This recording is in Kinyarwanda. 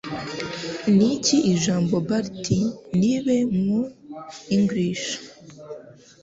Ni iki Ijambo Balti nibe Mu English